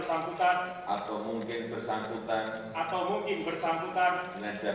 atau mungkin bersangkutan